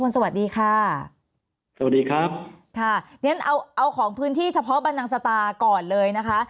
สวัสดีครับเอาของพื้นที่เฉพาะบันนังสตาร์ก่อนเลยนะคะ